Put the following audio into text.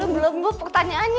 belom buat pertanyaannya